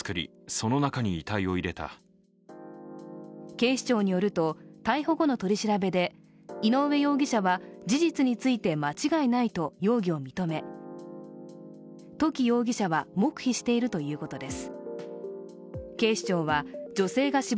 警視庁によると、逮捕後の取り調べで井上容疑者は事実について間違いないと容疑を認め、土岐容疑者は黙秘しているということです。